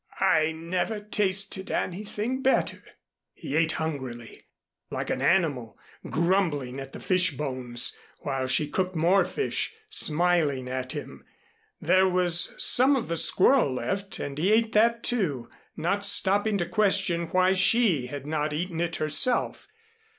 I never tasted anything better." He ate hungrily like an animal, grumbling at the fish bones, while she cooked more fish, smiling at him. There was some of the squirrel left and he ate that, too, not stopping to question why she had not eaten it herself.